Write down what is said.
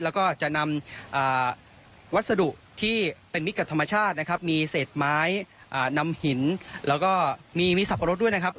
แล้วก็จะนำวัสดุที่เป็นมิตรกับธรรมชาตินะครับมีเศษไม้นำหินแล้วก็มีสับปะรดด้วยนะครับ